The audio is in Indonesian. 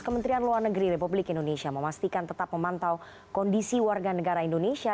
kementerian luar negeri republik indonesia memastikan tetap memantau kondisi warga negara indonesia